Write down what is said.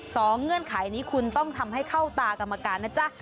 เงื่อนไขนี้คุณต้องทำให้เข้าตากรรมการนะจ๊ะ